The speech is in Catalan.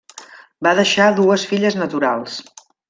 Va deixar dues filles naturals.